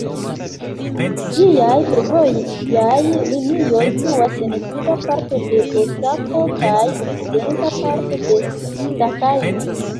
Ĝiaj fervojaj linioj situas en suda parto de Osako kaj okcidenta parto de Sakai.